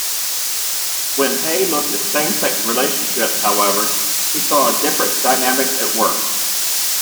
When Hay looked at same-sex relationships, however, he saw a different dynamic at work.